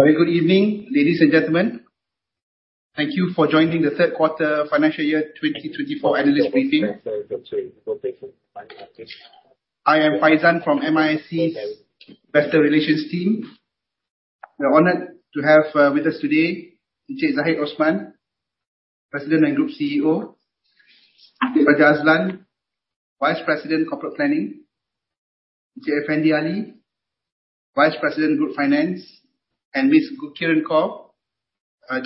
Very good evening, ladies and gentlemen. Thank you for joining the third quarter financial year 2024 analyst briefing. I am Faizan from MISC's Investor Relations team. We're honored to have with us today Encik Zahid Osman, President and Group CEO, Encik Raja Azlan, Vice President Corporate Planning, Encik Effendy Ali, Vice President Group Finance, and Miss Kieran Kor,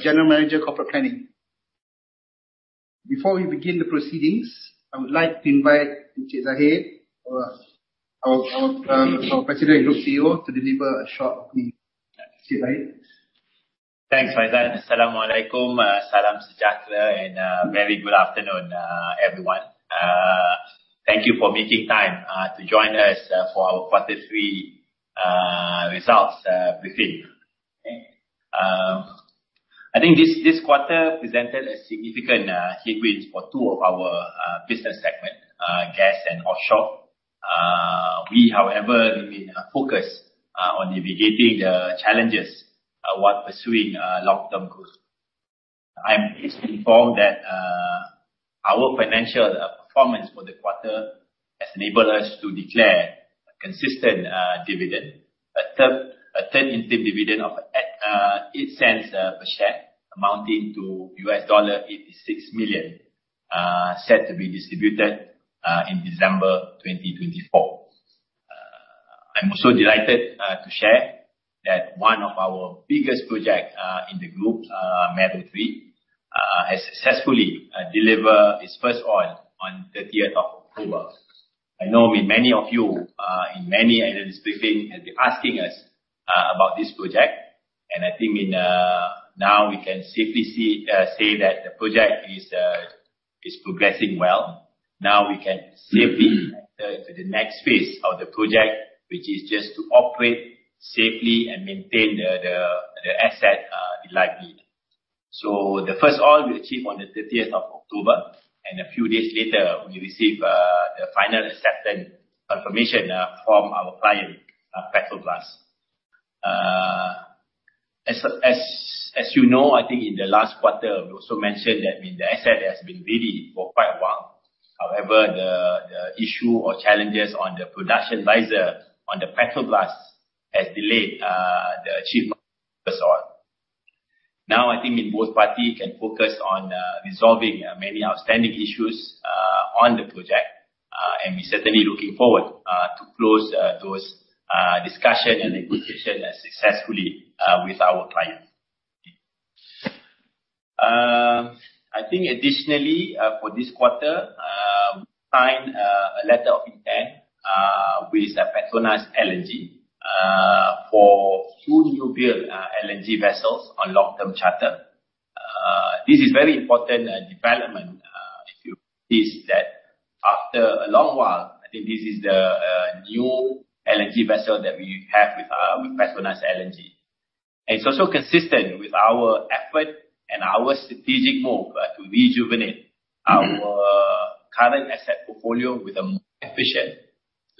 General Manager Corporate Planning. Before we begin the proceedings, I would like to invite Encik Zahid, our President and Group CEO, to deliver a short opening. Encik Zahid. Thanks, Faizan. Asalamu alaykum, salam sejahtera, and very good afternoon, everyone. Thank you for making time to join us for our quarter three results briefing. I think this quarter presented a significant headwinds for two of our business segments, gas and offshore. We however remain focused on navigating the challenges while pursuing long-term growth. I am pleased to inform that our financial performance for the quarter has enabled us to declare a consistent dividend, a third interim dividend of $0.08 per share, amounting to $86 million, set to be distributed in December 2024. I'm also delighted to share that one of our biggest projects in the group, Mero 3, has successfully delivered its first oil on 30th of October. I know many of you in many analyst briefings have been asking us about this project, and I think now we can safely say that the project is progressing well. Now we can safely enter into the next phase of the project, which is just to operate safely and maintain the asset reliably. The first oil we achieved on the 30th of October, and a few days later, we received the final acceptance confirmation from our client, Petrobras. As you know, I think in the last quarter, we also mentioned that the asset has been ready for quite a while. However, the issue or challenges on the production riser on the Petrobras has delayed the achievement of first oil. Now, I think both parties can focus on resolving many outstanding issues on the project, and we're certainly looking forward to close those discussions and negotiations successfully with our client. I think additionally, for this quarter, we signed a letter of intent with Petronas LNG for two newbuild LNG vessels on long-term charter. This is very important development if you see that after a long while, I think this is the new LNG vessel that we have with Petronas LNG. It's also consistent with our effort and our strategic move to rejuvenate our current asset portfolio with a more efficient,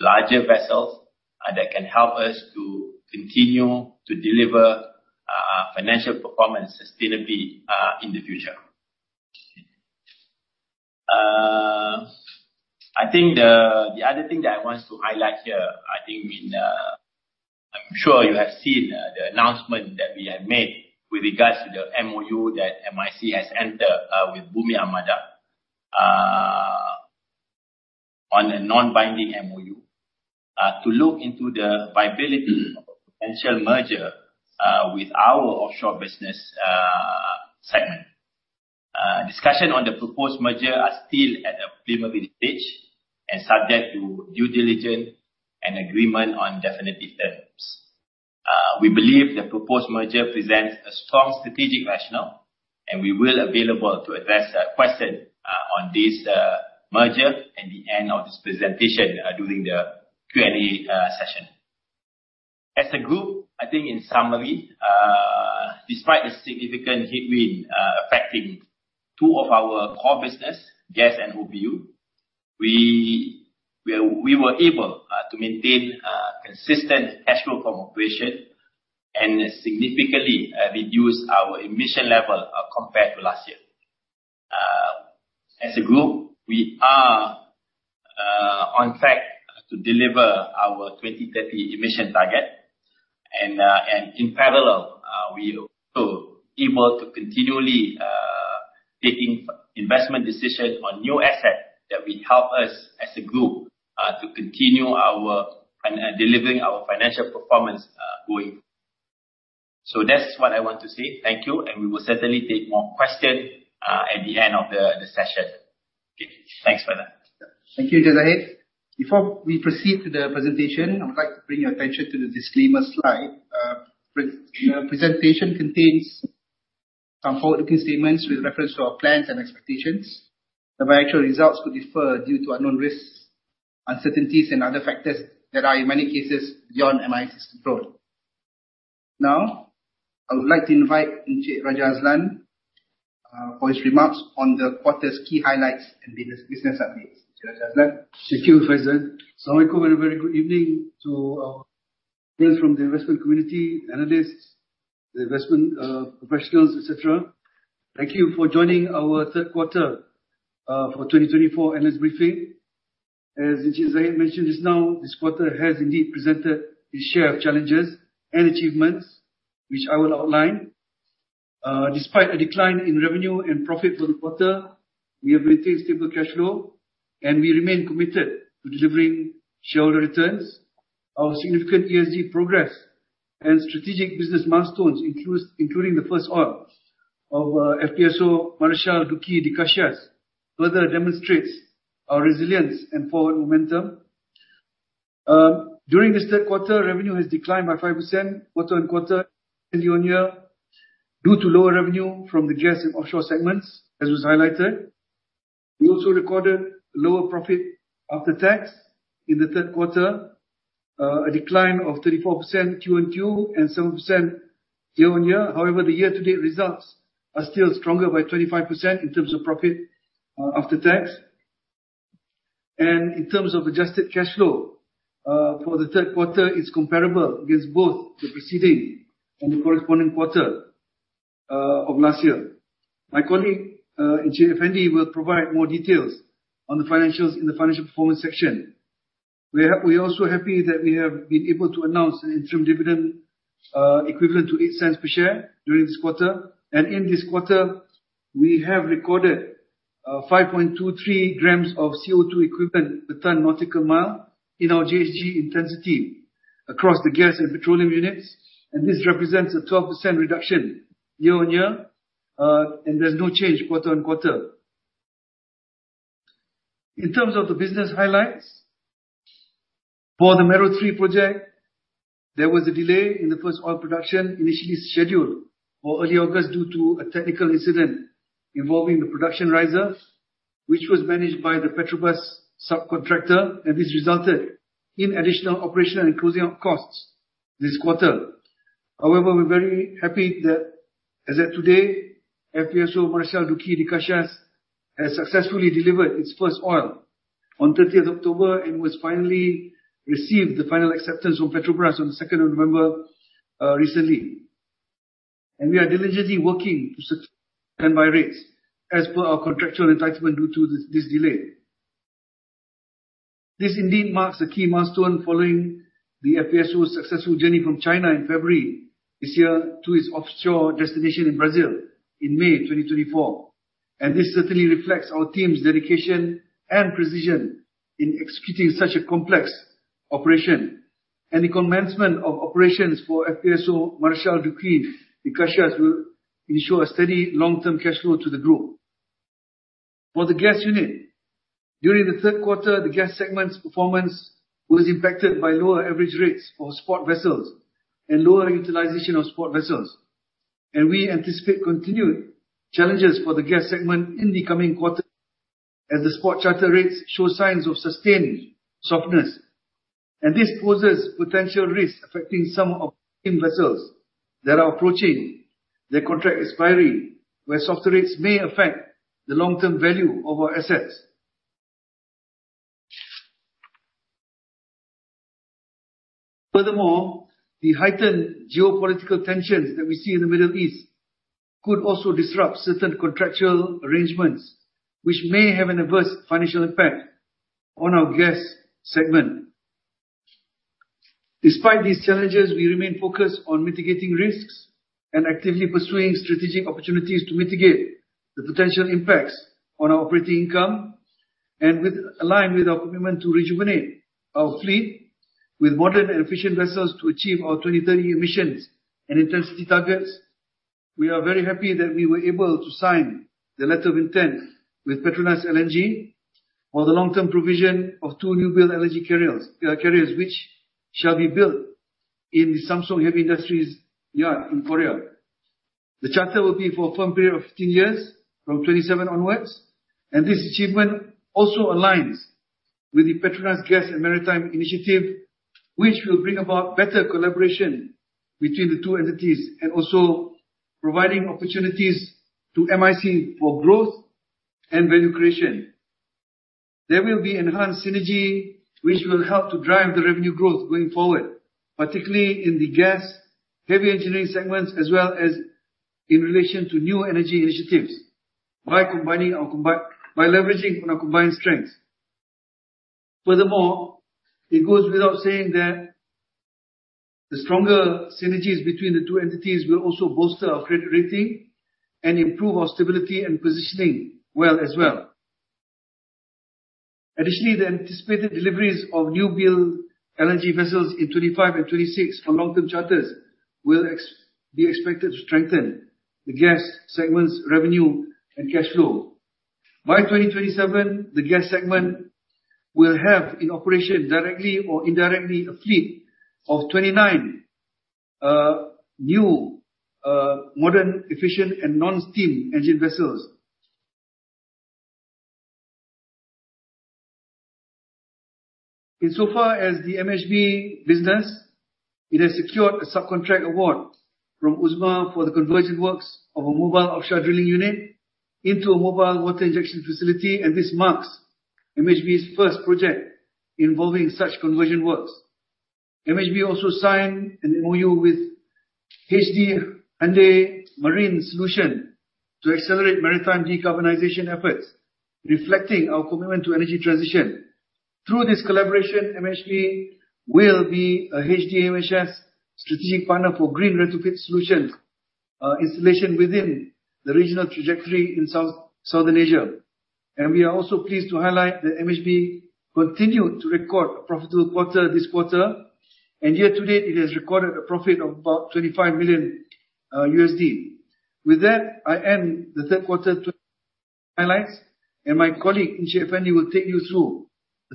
larger vessels that can help us to continue to deliver financial performance sustainably in the future. I think the other thing that I want to highlight here, I'm sure you have seen the announcement that we have made with regards to the MoU that MISC has entered with Bumi Armada on a non-binding MoU to look into the viability of a potential merger with our offshore business segment. Discussion on the proposed merger are still at a preliminary stage and subject to due diligence and agreement on definitive terms. We believe the proposed merger presents a strong strategic rationale, and we will available to address questions on this merger at the end of this presentation during the Q&A session. As a group, I think in summary, despite the significant headwind affecting two of our core business, gas and OBU, we were able to maintain consistent cash flow from operation and significantly reduce our emission level compared to last year. As a group, we are on track to deliver our 2030 emission target, in parallel, we are also able to continually taking investment decisions on new asset that will help us as a group to continue delivering our financial performance going forward. That's what I want to say. Thank you, and we will certainly take more questions at the end of the session. Okay, thanks, Faizan. Thank you, Encik Zahid. Before we proceed to the presentation, I would like to bring your attention to the disclaimer slide. The presentation contains some forward-looking statements with reference to our plans and expectations. The actual results could differ due to unknown risks, uncertainties, and other factors that are, in many cases, beyond MISC's control. I would like to invite Encik Raja Azlan for his remarks on the quarter's key highlights and business updates. Mr. Azlan. Thank you, Faizal. Assalamualaikum, a very good evening to our guests from the investment community, analysts, the investment professionals, et cetera. Thank you for joining our third quarter for 2024 analyst briefing. As mentioned just now, this quarter has indeed presented its share of challenges and achievements, which I will outline. Despite a decline in revenue and profit for the quarter, we have maintained stable cash flow, and we remain committed to delivering shareholder returns. Our significant ESG progress and strategic business milestones, including the first oil of FPSO Marechal Duque de Caxias, further demonstrates our resilience and forward momentum. During this third quarter, revenue has declined by 5% quarter-on-quarter and year-on-year due to lower revenue from the gas and offshore segments, as was highlighted. We also recorded lower profit after tax in the third quarter, a decline of 34% quarter-on-quarter and 7% year-on-year. The year-to-date results are still stronger by 25% in terms of profit after tax. In terms of adjusted cash flow for the third quarter, it's comparable against both the preceding and the corresponding quarter of last year. My colleague, Encik Effendy, will provide more details on the financials in the financial performance section. We are also happy that we have been able to announce an interim dividend equivalent to $0.08 per share during this quarter. In this quarter, we have recorded 5.23 grams of CO2 equivalent per ton nautical mile in our GHG intensity across the gas and petroleum units, and this represents a 12% reduction year-on-year, and there's no change quarter-on-quarter. In terms of the business highlights, for the Mero 3 project, there was a delay in the first oil production initially scheduled for early August due to a technical incident involving the production riser, which was managed by the Petrobras subcontractor. This resulted in additional operational and closing out costs this quarter. However, we're very happy that as at today, FPSO Marechal Duque de Caxias has successfully delivered its first oil on 30th October and was finally received the final acceptance from Petrobras on the 2nd of November recently. We are diligently working to secure stand-by rates as per our contractual entitlement due to this delay. This indeed marks a key milestone following the FPSO's successful journey from China in February this year to its offshore destination in Brazil in May 2024. This certainly reflects our team's dedication and precision in executing such a complex operation. The commencement of operations for FPSO Marechal Duque de Caxias will ensure a steady long-term cash flow to the group. For the gas unit, during the third quarter, the gas segment's performance was impacted by lower average rates for spot vessels and lower utilization of spot vessels. We anticipate continued challenges for the gas segment in the coming quarters as the spot charter rates show signs of sustained softness. This poses potential risks affecting some of the vessels that are approaching their contract expiry, where softer rates may affect the long-term value of our assets. Furthermore, the heightened geopolitical tensions that we see in the Middle East could also disrupt certain contractual arrangements, which may have an adverse financial impact on our gas segment. Despite these challenges, we remain focused on mitigating risks and actively pursuing strategic opportunities to mitigate the potential impacts on our operating income and align with our commitment to rejuvenate our fleet with modern and efficient vessels to achieve our 2030 emissions and intensity targets. We are very happy that we were able to sign the letter of intent with PETRONAS LNG for the long-term provision of two new build LNG carriers, which shall be built in the Samsung Heavy Industries yard in Korea. The charter will be for a firm period of 15 years from 2027 onwards. This achievement also aligns with the PETRONAS Gas & Maritime initiative, which will bring about better collaboration between the two entities and also providing opportunities to MISC for growth and value creation. There will be enhanced synergy, which will help to drive the revenue growth going forward, particularly in the gas heavy engineering segments, as well as in relation to new energy initiatives by leveraging on our combined strengths. Furthermore, it goes without saying that the stronger synergies between the two entities will also bolster our credit rating and improve our stability and positioning well as well. Additionally, the anticipated deliveries of new build LNG vessels in 2025 and 2026 for long-term charters will be expected to strengthen the gas segment's revenue and cash flow. By 2027, the gas segment will have in operation, directly or indirectly, a fleet of 29 new modern, efficient, and non-steam engine vessels. In so far as the MHB business, it has secured a subcontract award from UTMA for the conversion works of a mobile offshore drilling unit into a mobile water injection facility, and this marks MHB's first project involving such conversion works. MHB also signed an MoU with HD Hyundai Marine Solution to accelerate maritime decarbonization efforts, reflecting our commitment to energy transition. Through this collaboration, MHB will be a HD HMS strategic partner for green retrofit solutions installation within the regional trajectory in Southeast Asia. We are also pleased to highlight that MHB continued to record a profitable quarter this quarter, and year to date, it has recorded a profit of about $25 million. With that, I end the third quarter highlights. My colleague, Encik Effendy, will take you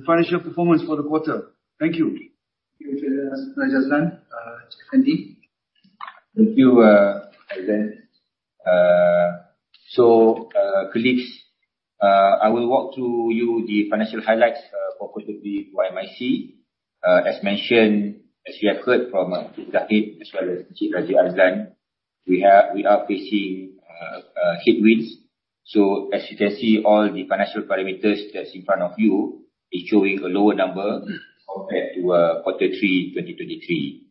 through the financial performance for the quarter. Thank you. Thank you, Encik Razlan. Encik Effendy. Thank you, President. Colleagues, I will walk through you the financial highlights for quarter three MISC. As mentioned, as we have heard from Datuk Zahid, as well as Encik Razlan, we are facing headwinds. As you can see, all the financial parameters that's in front of you is showing a lower number compared to quarter three, 2023.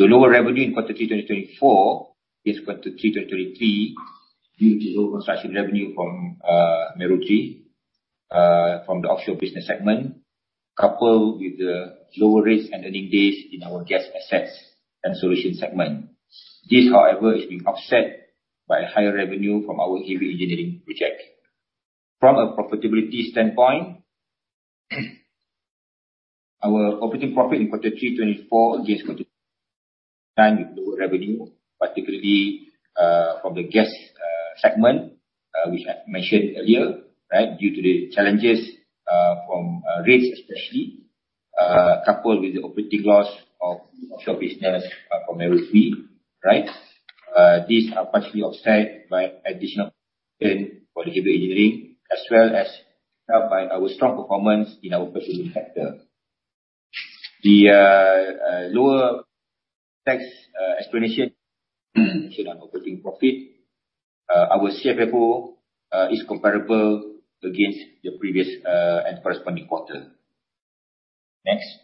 Lower revenue in quarter three, 2024 against quarter three, 2023, due to lower construction revenue from Mero 3 from the offshore business segment, coupled with the lower rates and earning days in our gas assets and solution segment. This, however, is being offset by higher revenue from our heavy engineering project. From a profitability standpoint, our operating profit in quarter three, 2024 against quarter three, tied with lower revenue, particularly from the gas segment, which I mentioned earlier, right? Due to the challenges from rates especially, coupled with the operating loss of offshore business from Mero 3. These are partially offset by additional payment for the heavy engineering, as well as helped by our strong performance in our operating factor. The lower tax explanation on operating profit. Our CFO is comparable against the previous and corresponding quarter. Next.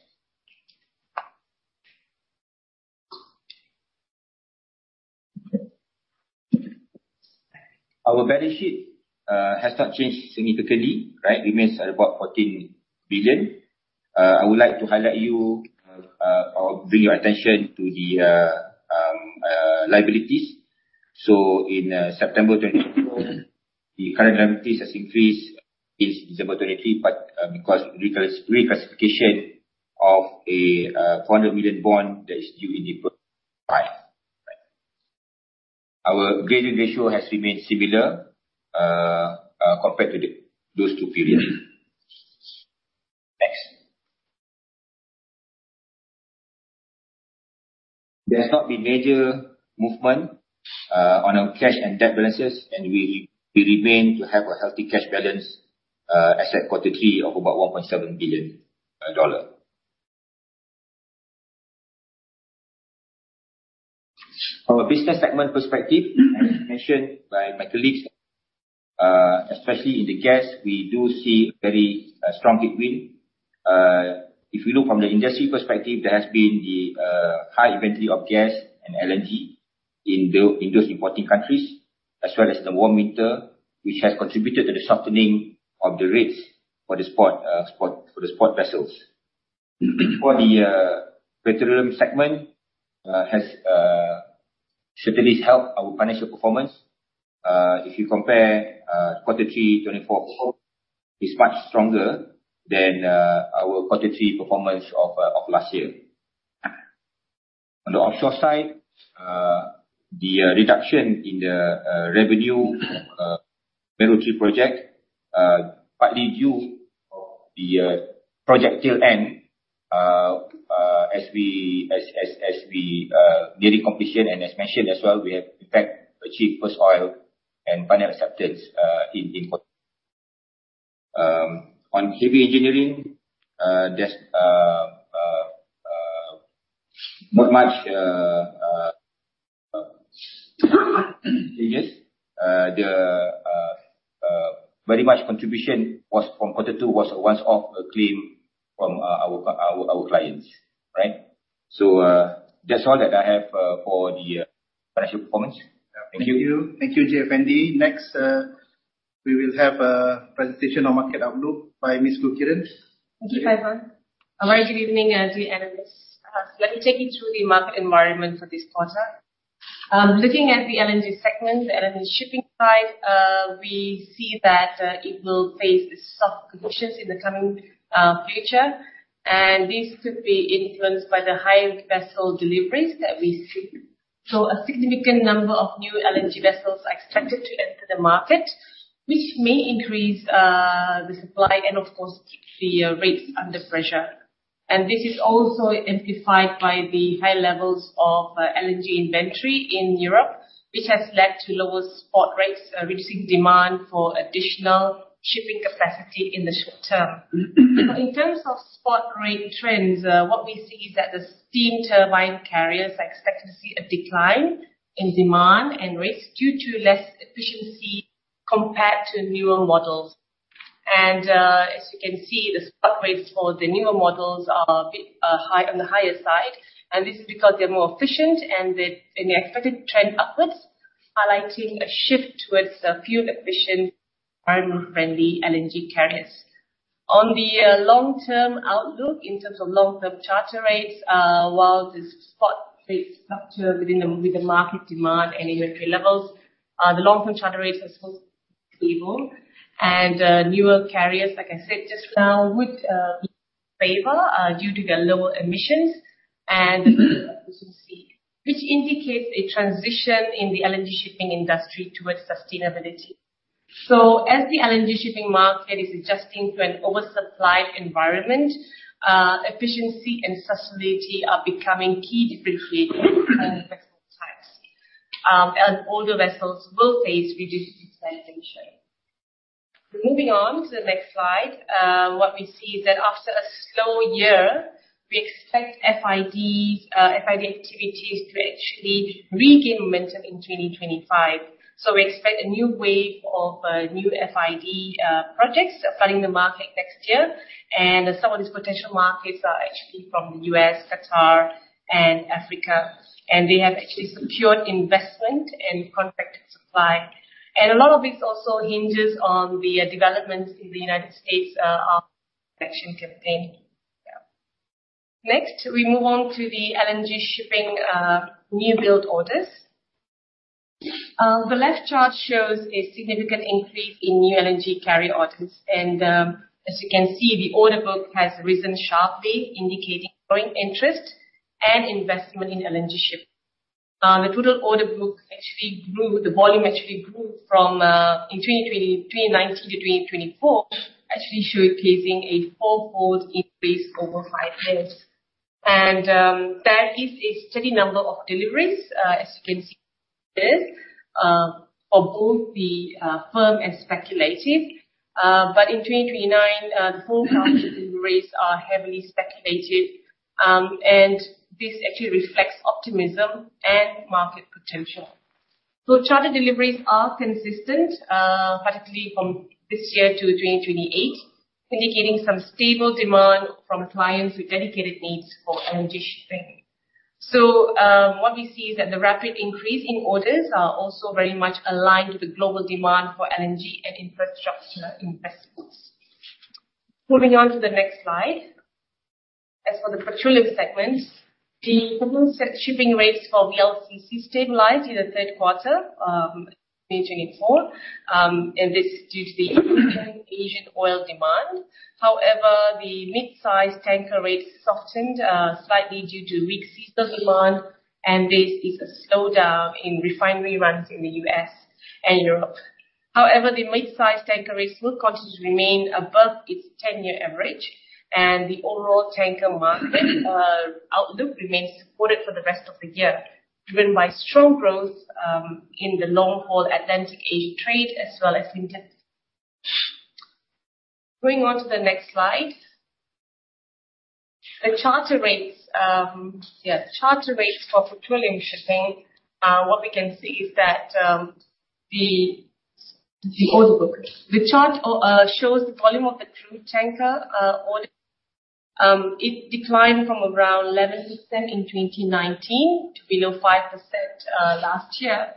Our balance sheet has not changed significantly, remains at about 14 billion. I would like to highlight you or bring your attention to the liabilities. In September 2024, the current liabilities has increased since December 2023, but because of reclassification of a 400 million bond that is due in April 5. Our gearing ratio has remained similar compared to those two periods. Next. There has not been major movement on our cash and debt balances, and we remain to have a healthy cash balance as at Q3 of about MYR 1.7 billion. From a business segment perspective, as mentioned by my colleagues, especially in the gas, we do see a very strong headwind. If you look from the industry perspective, there has been the high inventory of gas and LNG in those importing countries, as well as the warm winter, which has contributed to the softening of the rates for the spot vessels. For the petroleum segment, has certainly helped our financial performance. If you compare Q3 2024 is much stronger than our Q3 performance of last year. On the offshore side, the reduction in the revenue Mero 3 project, partly due to the project tail end as we are nearing completion and as mentioned as well, we have in fact achieved first oil and final acceptance in Q3. On heavy engineering, there's not much changes. Very much contribution was from Q2 was a one-off claim from our clients. Right. So that's all that I have for the financial performance. Thank you. Thank you, Encik Effendy. Next, we will have a presentation on market outlook by Miss Gurkiran. Thank you, Faiwan. A very good evening to the analysts. Let me take you through the market environment for this quarter. Looking at the LNG segment, the LNG shipping side, we see that it will face soft conditions in the coming future, and this could be influenced by the high vessel deliveries that we see. A significant number of new LNG vessels are expected to enter the market, which may increase the supply and of course, keep the rates under pressure. This is also amplified by the high levels of LNG inventory in Europe, which has led to lower spot rates, reducing demand for additional shipping capacity in the short term. In terms of spot rate trends, what we see is that the steam turbine carriers are expected to see a decline in demand and rates due to less efficiency compared to newer models. As you can see, the spot rates for the newer models are a bit on the higher side, and this is because they're more efficient and they expected trend upwards, highlighting a shift towards a fuel-efficient, environmentally friendly LNG carriers. On the long-term outlook, in terms of long-term charter rates, while the spot rates structure within the market demand and inventory levels, the long-term charter rates are supposed to be low, and newer carriers, like I said just now, would favor due to their lower emissions and efficiency, which indicates a transition in the LNG shipping industry towards sustainability. As the LNG shipping market is adjusting to an oversupplied environment, efficiency and sustainability are becoming key differentiators and vessel types. Older vessels will face reduced utilization. Moving on to the next slide. What we see is that after a slow year, we expect FID activities to actually regain momentum in 2025. We expect a new wave of new FID projects flooding the market next year. Some of these potential markets are actually from U.S., Qatar, and Africa, and they have actually secured investment and contracted supply. A lot of this also hinges on the developments in the United States Section 15. Next, we move on to the LNG shipping new build orders. The left chart shows a significant increase in new LNG carrier orders. As you can see, the order book has risen sharply, indicating growing interest and investment in LNG shipping. The total order book, the volume actually grew from 2019 to 2024, actually showcasing a fourfold increase over five years. There is a steady number of deliveries, as you can see, for both the firm and speculative. In 2029, the full count of deliveries are heavily speculative, and this actually reflects optimism and market potential. Charter deliveries are consistent, particularly from this year to 2028, indicating some stable demand from clients with dedicated needs for LNG shipping. What we see is that the rapid increase in orders are also very much aligned with the global demand for LNG and infrastructure investments. Moving on to the next slide. As for the petroleum segments, the global set shipping rates for VLCC stabilized in the third quarter, changing in fall. This is due to the Asian oil demand. However, the mid-size tanker rates softened slightly due to weak seasonal demand, and this is a slowdown in refinery runs in the U.S. and Europe. However, the mid-size tanker rates will continue to remain above its 10-year average, and the overall tanker market outlook remains supported for the rest of the year, driven by strong growth in the long-haul Atlantic-Asia trade as well as winter. Moving on to the next slide. The charter rates for petroleum shipping, what we can see is that the order book. The chart shows the volume of the crude tanker order. It declined from around 11% in 2019 to below 5% last year.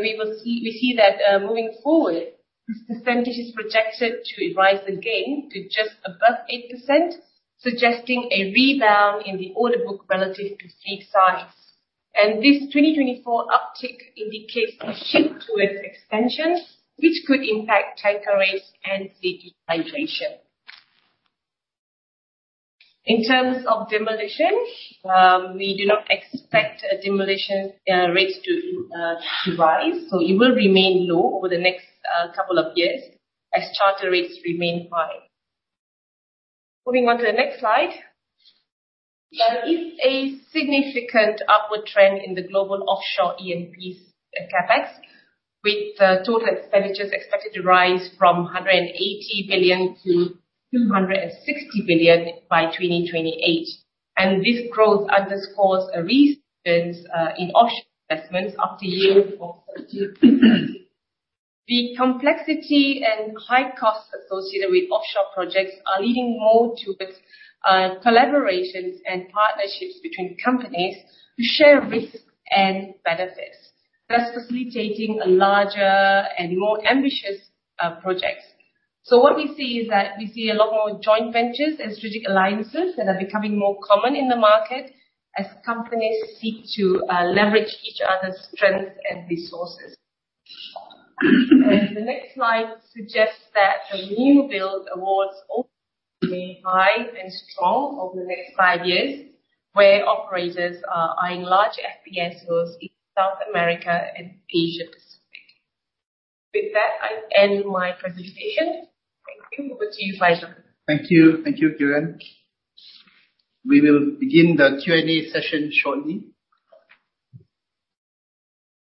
We see that moving forward, this percentage is projected to rise again to just above 8%, suggesting a rebound in the order book relative to fleet size. This 2024 uptick indicates a shift towards expansion, which could impact tanker rates and fleet utilization. In terms of demolition, we do not expect demolition rates to rise. It will remain low over the next couple of years as charter rates remain high. Moving on to the next slide. There is a significant upward trend in the global offshore E&P CapEx, with total expenditures expected to rise from $180 billion to $260 billion by 2028. This growth underscores a resurgence in offshore investments after years of relative decline. The complexity and high costs associated with offshore projects are leading more towards collaborations and partnerships between companies who share risks and benefits, thus facilitating larger and more ambitious projects. What we see is that we see a lot more joint ventures and strategic alliances that are becoming more common in the market as companies seek to leverage each other's strengths and resources. The next slide suggests that the new build awards will remain high and strong over the next five years, where operators are eyeing large FPSOs in South America and Asia-Pacific. With that, I end my presentation. Thank you. Over to you, Faiyan. Thank you. Thank you, Kieran. We will begin the Q&A session shortly.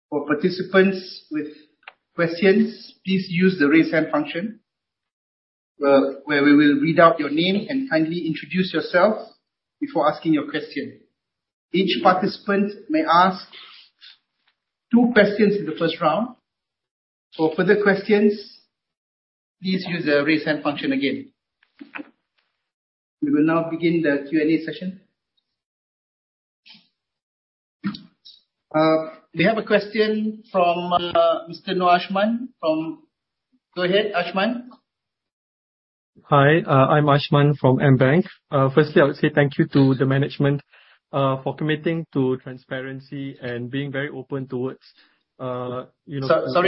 For participants with questions, please use the Raise Hand function, where we will read out your name and kindly introduce yourself before asking your question. Each participant may ask two questions in the first round. For further questions, please use the Raise Hand function again. We will now begin the Q&A session. We have a question from Mr. Noah Ashman from Go ahead, Ashman. Hi, I'm Ashman from AmBank. Firstly, I would say thank you to the management for committing to transparency and being very open towards. Sorry,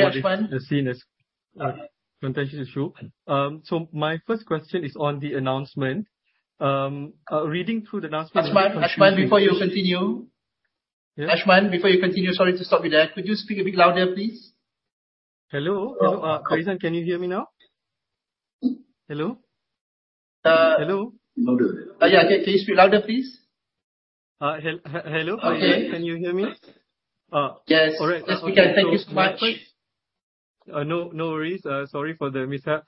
Ashman. What is seen as potentially true. My first question is on the announcement. Reading through the announcement. Ashman, before you continue. Yeah. Ashman, before you continue, sorry to stop you there. Could you speak a bit louder, please? Hello. Hello. Faizan, can you hear me now? Hello? Uh- Hello? Yeah. Can you speak louder, please? Hello. Okay. Ashman, can you hear me? Yes. All right. Yes, we can. Thank you so much. No worries. Sorry for the mishap.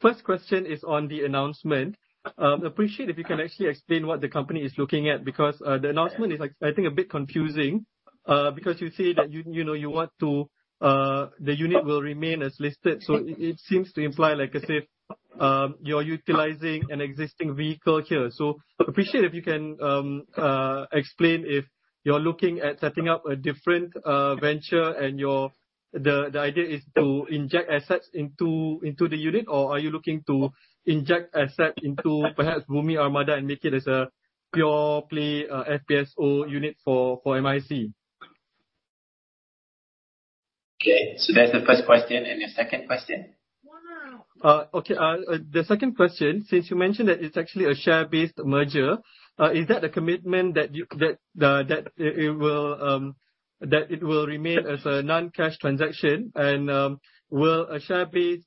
First question is on the announcement. Appreciate if you can actually explain what the company is looking at, because the announcement is, I think, a bit confusing. You say that the unit will remain as listed. It seems to imply like as if you're utilizing an existing vehicle here. Appreciate if you can explain if you're looking at setting up a different venture and the idea is to inject assets into the unit, or are you looking to inject asset into perhaps Bumi Armada and make it as a pure-play FPSO unit for MISC? Okay. That's the first question and your second question? Okay. The second question, since you mentioned that it's actually a share-based merger, is that a commitment that it will remain as a non-cash transaction? Will a share-based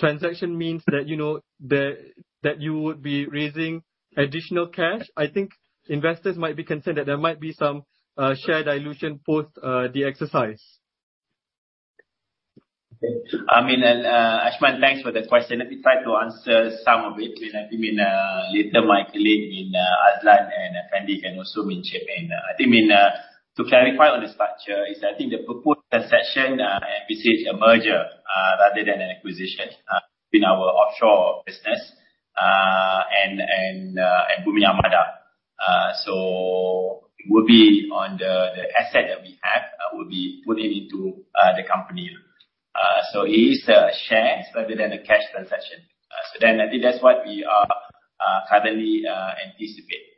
transaction means that you would be raising additional cash? I think investors might be concerned that there might be some share dilution post the exercise. I mean, Ashman, thanks for the question. Let me try to answer some of it. I think later Michael and Azlan and Fendi can also chip in. I think to clarify on this structure is, the proposed transaction envisages a merger rather than an acquisition between our offshore business and Bumi Armada. The asset that we have will be put into the company. It is a share rather than a cash transaction. I think that's what we are currently anticipate.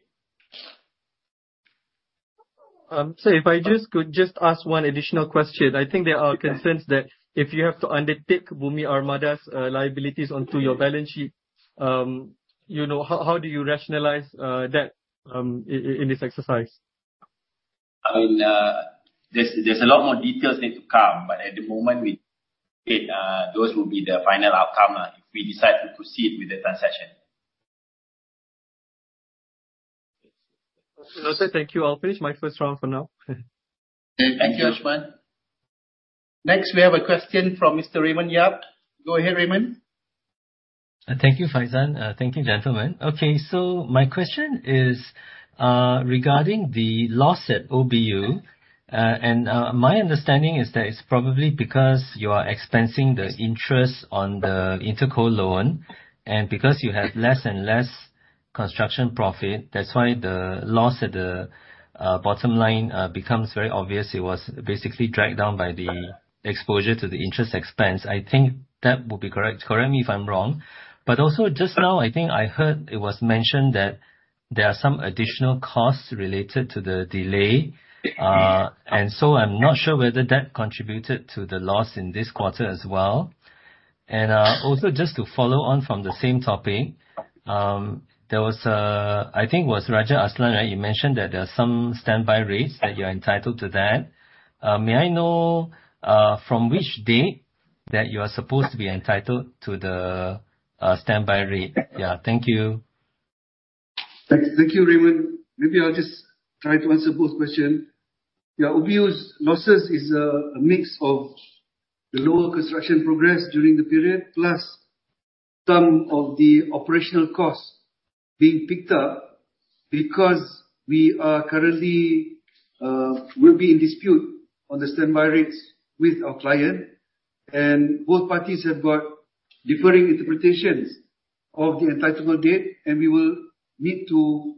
If I could just ask one additional question. I think there are concerns that if you have to undertake Bumi Armada's liabilities onto your balance sheet, how do you rationalize that in this exercise? I mean, there's a lot more details need to come, but at the moment we think those will be the final outcome if we decide to proceed with the transaction. Okay. Thank you. I'll finish my first round for now. Okay. Thank you, Ashman. Next, we have a question from Mr. Raymond Yap. Go ahead, Raymond. Thank you, Faizan. Thank you, gentlemen. Okay, my question is regarding the loss at OBU, and my understanding is that it's probably because you are expensing the interest on the interco loan, and because you have less and less construction profit. That's why the loss at the bottom line becomes very obvious. It was basically dragged down by the exposure to the interest expense. I think that would be correct. Correct me if I'm wrong. Also just now, I think I heard it was mentioned that there are some additional costs related to the delay. I'm not sure whether that contributed to the loss in this quarter as well. Also just to follow on from the same topic, I think it was Raja Azlan, right? You mentioned that there are some standby rates that you're entitled to that. May I know from which date that you are supposed to be entitled to the standby rate? Yeah. Thank you. Thank you, Raymond. Maybe I'll just try to answer both question. Yeah. OBU's losses is a mix of the lower construction progress during the period, plus some of the operational costs being picked up because we are currently will be in dispute on the standby rates with our client. Both parties have got differing interpretations of the entitlement date. We will need to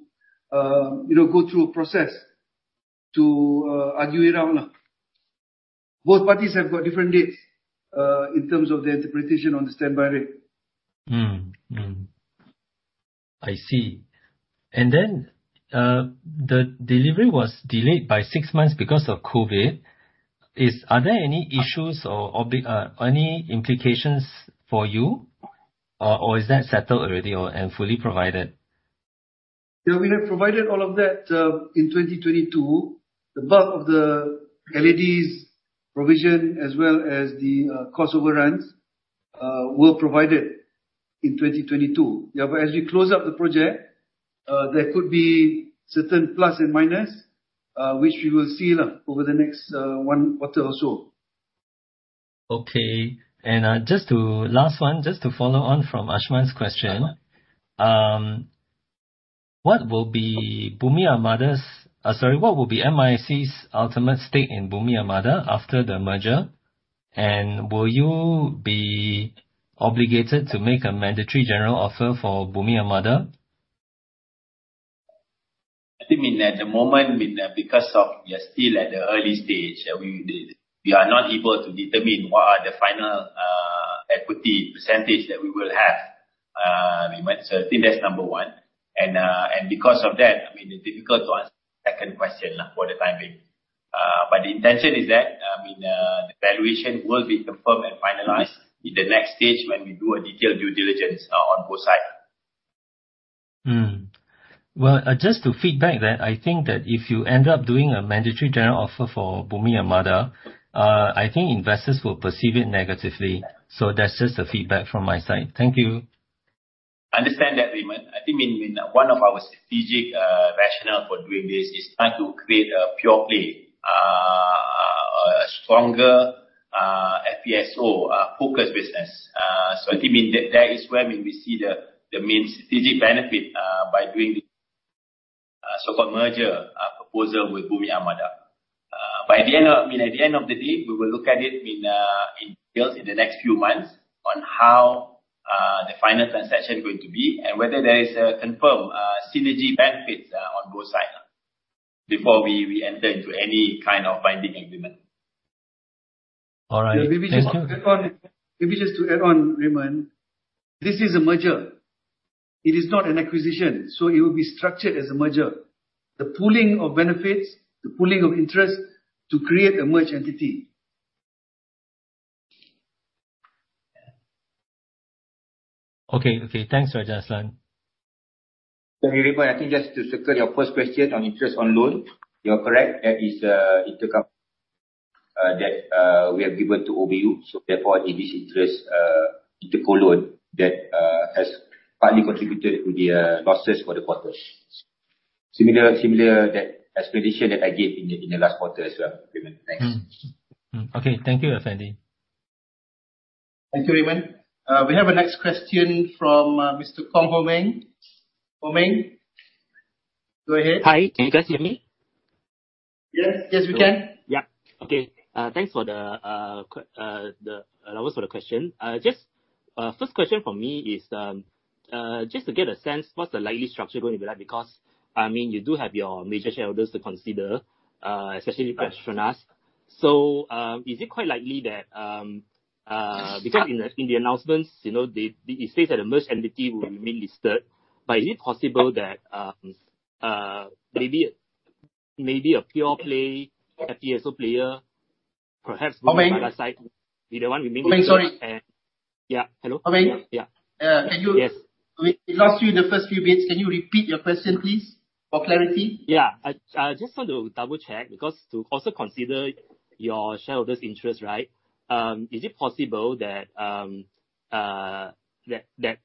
go through a process to argue it out. Both parties have got different dates, in terms of their interpretation on the standby rate. I see. The delivery was delayed by six months because of COVID. Are there any issues or any implications for you, or is that settled already and fully provided? Yeah, we have provided all of that in 2022. The bulk of the LAD's provision as well as the cost overruns will provide it in 2022. Yeah. As we close up the project, there could be certain plus and minus, which we will see over the next one quarter or so. Okay. Last one, just to follow on from Ashman's question, what will be MISC's ultimate stake in Bumi Armada after the merger? Will you be obligated to make a mandatory general offer for Bumi Armada? I think at the moment, because we are still at the early stage, we are not able to determine what are the final equity percentage that we will have. Raymond. I think that's number one. Because of that, it's difficult to answer the second question for the time being. The intention is that the valuation will be confirmed and finalized in the next stage when we do a detailed due diligence on both sides. Well, just to feedback that I think that if you end up doing a mandatory general offer for Bumi Armada, I think investors will perceive it negatively. That's just a feedback from my side. Thank you. Understand that, Raymond. I think one of our strategic rationale for doing this is trying to create a pure play, a stronger FPSO focused business. I think that is where we see the main strategic benefit by doing this so-called merger proposal with Bumi Armada. At the end of the day, we will look at it in details in the next few months on how the final transaction is going to be, and whether there is a confirmed synergy benefits on both sides before we enter into any kind of binding agreement. All right. Thank you. Maybe just to add on, Raymond, this is a merger. It is not an acquisition. It will be structured as a merger. The pooling of benefits, the pooling of interest to create a merged entity. Okay. Thanks, Raja Azlan. Thank you, Raymond. I think just to circle your first question on interest on loan, you are correct. That is intercompany that we have given to OBU. Therefore, it is interest inter-loan that has partly contributed to the losses for the quarter. Similar explanation that I gave in the last quarter as well, Raymond. Thanks. Okay. Thank you, Effendy. Thank you, Raymond. We have our next question from Mr. Kong Ho Meng. Ho Meng, go ahead. Hi, can you guys hear me? Yes, we can. Yeah. Okay. Thanks for the allowance for the question. First question from me is, just to get a sense, what's the likely structure going to be like? Because you do have your major shareholders to consider, especially PETRONAS. Is it quite likely that, because in the announcements, it states that a merged entity will remain listed. Is it possible that maybe a pure play FPSO player, perhaps- Ho Meng Bumi Armada side will be the one remaining- Ho Meng, sorry. Yeah. Hello? Ho Meng. Yeah. Yes. We lost you in the first few bits. Can you repeat your question, please, for clarity? Yeah. I just want to double-check because to also consider your shareholders' interest, right? Is it possible that you did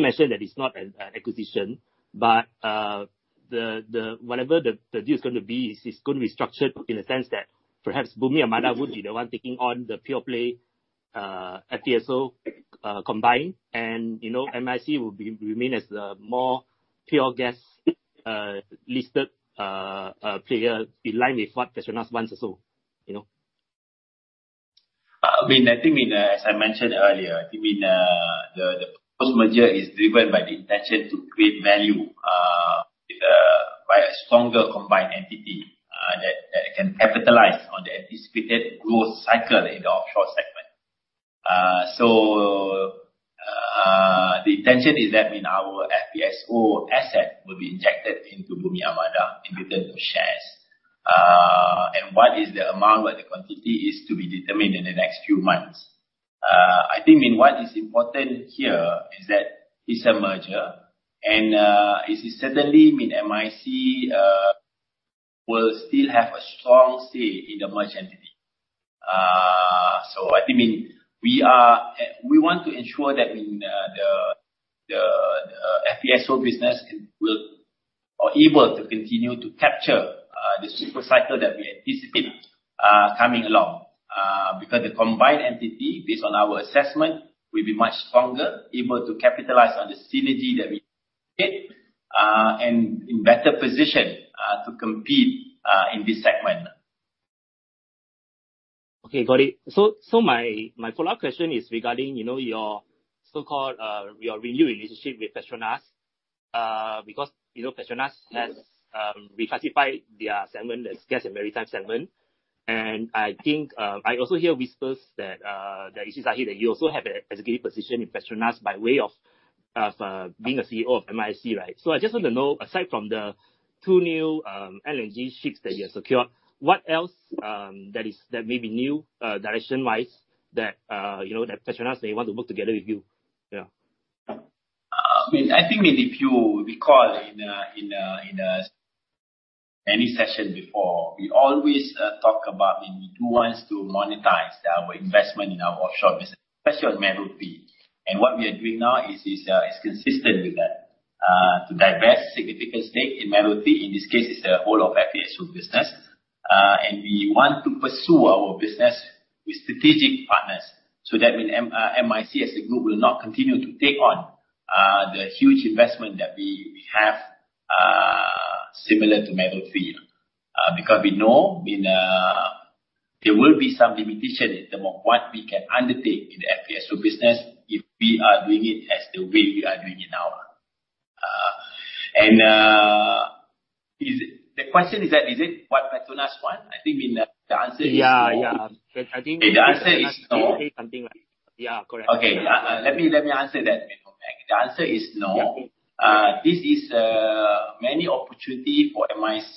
mention that it's not an acquisition, but whatever the deal is going to be, it's going to be structured in a sense that perhaps Bumi Armada would be the one taking on the pure play FPSO combined, and MISC will remain as the more pure gas listed player in line with what PETRONAS wants as well. I think as I mentioned earlier, the proposed merger is driven by the intention to create value by a stronger combined entity that can capitalize on the anticipated growth cycle in the offshore segment. The intention is that our FPSO asset will be injected into Bumi Armada in return for shares. What is the amount or the quantity is to be determined in the next few months. I think what is important here is that it's a merger, and it is certainly MISC will still have a strong say in the merged entity. I think we want to ensure that the FPSO business are able to continue to capture the super cycle that we anticipate coming along. The combined entity, based on our assessment, will be much stronger, able to capitalize on the synergy that we get, and in better position to compete in this segment. Okay. Got it. My follow-up question is regarding your so-called your renewed relationship with PETRONAS. PETRONAS has reclassified their segment as PETRONAS Gas & Maritime segment. I also hear whispers that it is likely that you also have an executive position in PETRONAS by way of being a CEO of MISC, right? I just want to know, aside from the two new LNG ships that you have secured, what else that may be new, direction-wise, that PETRONAS may want to work together with you? Yeah. I think if you recall in the Many sessions before, we always talk about, we do want to monetize our investment in our offshore business, especially on Mero 3. What we are doing now is consistent with that. To divest significant stake in Mero 3, in this case, it's the whole of FPSO business. We want to pursue our business with strategic partners so that MISC as a group will not continue to take on the huge investment that we have similar to Mero 3. We know there will be some limitation in terms of what we can undertake in the FPSO business if we are doing it as the way we are doing it now. The question is that, is it what PETRONAS want? I think the answer is no. Yeah. I think. The answer is no. Something like, yeah, correct. Okay. Let me answer that, Ho Meng. The answer is no. Yeah. This is many opportunity for MISC.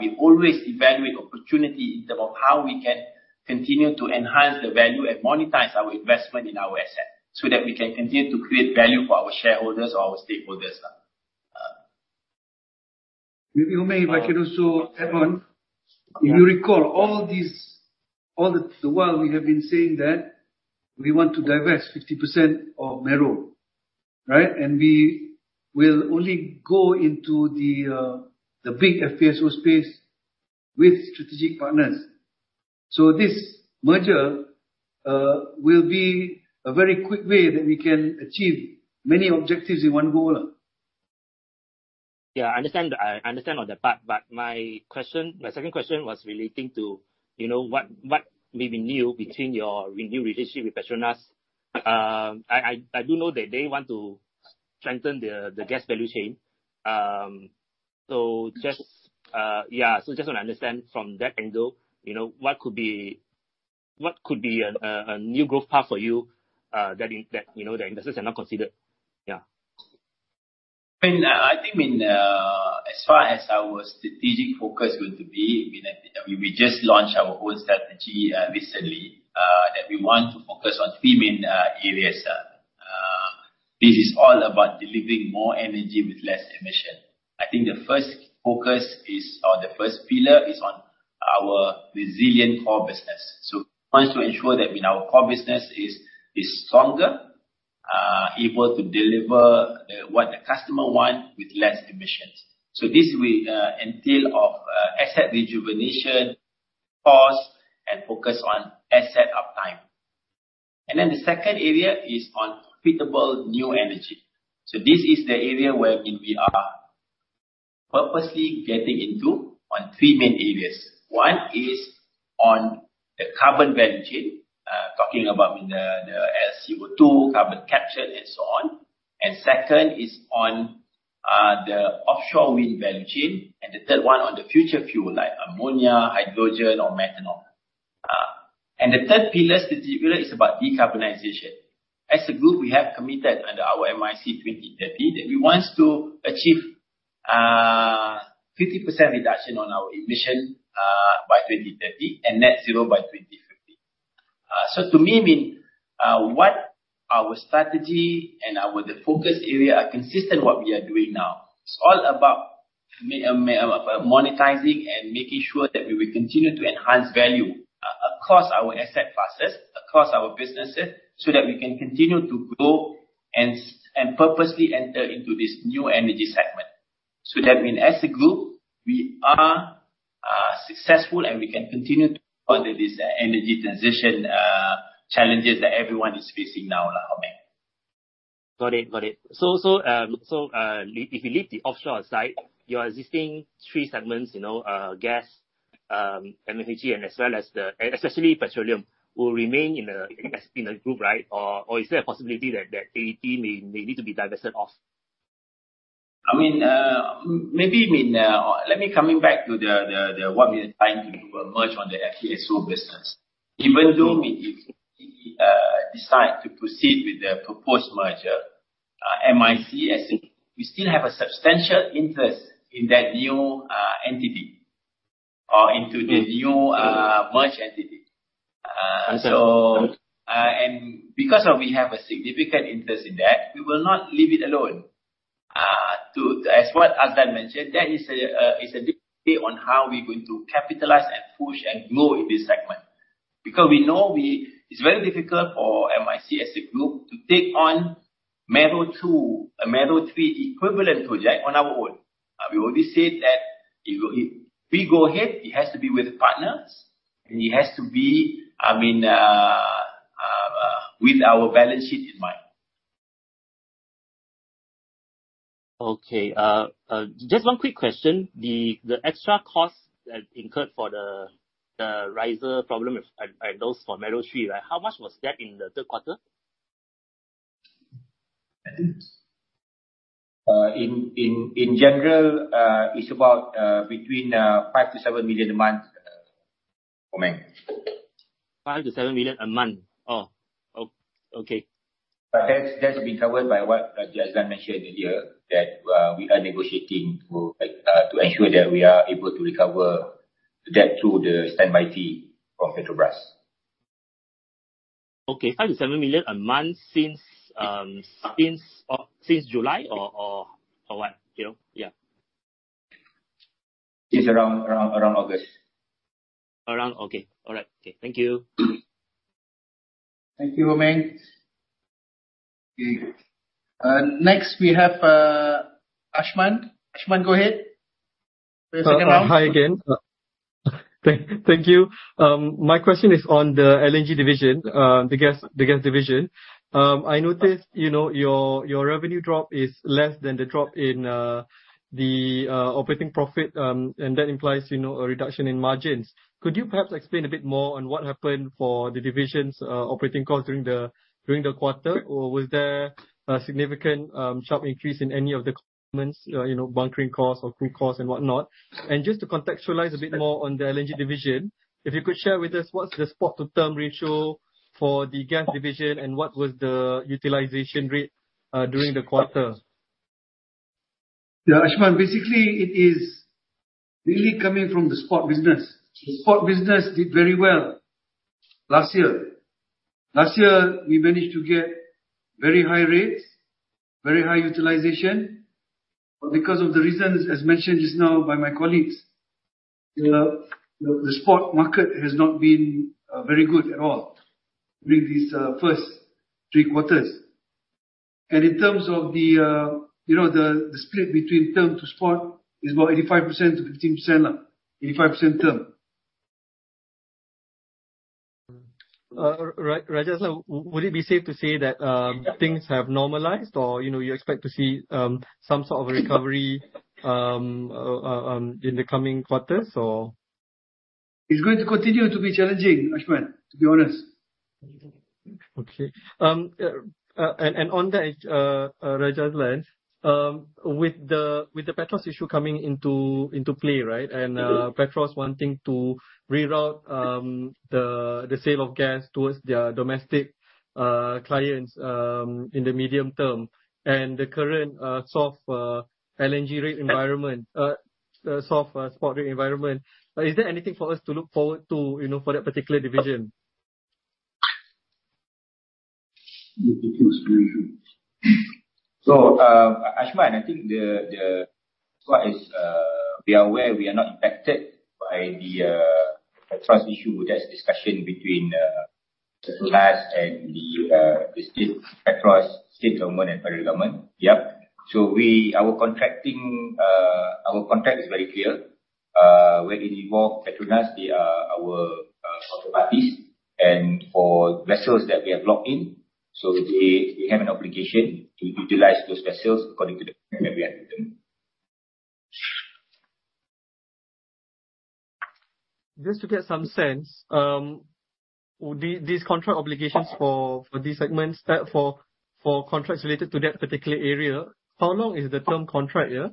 We always evaluate opportunity in terms of how we can continue to enhance the value and monetize our investment in our asset, so that we can continue to create value for our shareholders or our stakeholders. If you may, if I can also add on. If you recall, all the while we have been saying that we want to divest 50% of Mero. We will only go into the big FPSO space with strategic partners. This merger will be a very quick way that we can achieve many objectives in one go. Yeah, I understand all that part, but my second question was relating to what may be new between your renewed relationship with PETRONAS. I do know that they want to strengthen the gas value chain. Just want to understand from that angle, what could be a new growth path for you that investors have not considered? Yeah. I think as far as our strategic focus going to be, we just launched our whole strategy recently that we want to focus on three main areas. This is all about delivering more energy with less emission. I think the first focus is on the first pillar is on our resilient core business. We want to ensure that our core business is stronger, able to deliver what the customer want with less emissions. This will entail of asset rejuvenation, cost, and focus on asset uptime. The second area is on profitable new energy. This is the area where we are purposely getting into on three main areas. One is on the carbon value chain, talking about the LCO2, carbon capture, and so on. Second is on the offshore wind value chain. The third one on the future fuel like ammonia, hydrogen, or methanol. The third pillar strategically is about decarbonization. As a group, we have committed under our MISC 2030 that we want to achieve 50% reduction on our emission by 2030 and net zero by 2050. To me, what our strategy and the focus area are consistent what we are doing now. It's all about monetizing and making sure that we will continue to enhance value across our asset classes, across our businesses, so that we can continue to grow and purposely enter into this new energy segment. That means as a group, we are successful and we can continue to go under this energy transition challenges that everyone is facing now, Ho Meng. Got it. If you leave the offshore site, your existing three segments, gas, MHB, and especially petroleum, will remain in the group, right? Or is there a possibility that AET may need to be divested off? Let me coming back to what we are trying to do a merge on the FPSO business. Even though we decide to proceed with the proposed merger, MISC as a group, we still have a substantial interest in that new entity or into the new merge entity. Understood. Because we have a significant interest in that, we will not leave it alone. As what Azlan mentioned, that is a different way on how we're going to capitalize and push and grow in this segment. We know it's very difficult for MISC as a group to take on Mero 2 or Mero 3 equivalent project on our own. We already said that if we go ahead, it has to be with partners and it has to be with our balance sheet in mind. Okay. Just one quick question. The extra cost that incurred for the riser problem with those for Mero 3, how much was that in the third quarter? In general, it's about between 5 million-7 million a month, Ho Meng. 5 million-7 million a month. Oh, okay. That's been covered by what Azlan mentioned earlier, that we are negotiating to ensure that we are able to recover that through the standby fee from Petrobras. Okay. 5 million-7 million a month since July or what? Since around August. Around. Okay. All right. Okay. Thank you. Thank you, Meng. Okay. Next, we have Ashman. Ashman, go ahead for the second round. Hi again. Thank you. My question is on the LNG division, the gas division. I noticed your revenue drop is less than the drop in the operating profit, that implies a reduction in margins. Could you perhaps explain a bit more on what happened for the division's operating cost during the quarter? Was there a significant sharp increase in any of the components, bunkering costs or crew costs and whatnot? Just to contextualize a bit more on the LNG division, if you could share with us what's the spot to term ratio for the gas division, and what was the utilization rate during the quarter? Ashman. Basically, it is really coming from the spot business. The spot business did very well last year. Last year, we managed to get very high rates, very high utilization. Because of the reasons as mentioned just now by my colleagues, the spot market has not been very good at all during these first three quarters. In terms of the split between term to spot, is about 85% to 15%. 85% term. Rajesh, would it be safe to say that things have normalized or you expect to see some sort of a recovery in the coming quarters or? It's going to continue to be challenging, Ashman, to be honest. Okay. On that, Rajesh, with the PETROS issue coming into play, PETROS wanting to reroute the sale of gas towards their domestic clients in the medium term and the current soft LNG rate environment, soft spot rate environment, is there anything for us to look forward to for that particular division? Ashman, I think as far as we are aware, we are not impacted by the PETROS issue. That's a discussion between PETRONAS and the state PETROS, state government and federal government. Yep. Our contract is very clear. Where it involves PETRONAS, they are our counterparty, and for vessels that we have locked in, they have an obligation to utilize those vessels according to the plan that we have with them. Just to get some sense, these contract obligations for these segments, for contracts related to that particular area, how long is the term contract here?